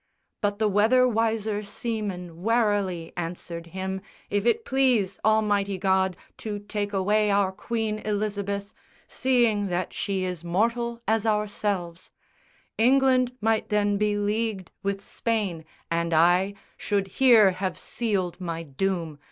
But the weather wiser seaman warily Answered him, "If it please Almighty God To take away our Queen Elizabeth, Seeing that she is mortal as ourselves, England might then be leagued with Spain, and I Should here have sealed my doom.